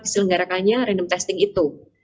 diselenggarakannya random testing itu